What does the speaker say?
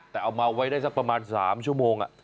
แต่เอามาไว้ได้สักประมาณ๓ชั่วโมง